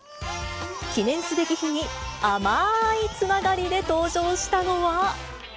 記念すべき日に、あまーいつながりで登場したのは。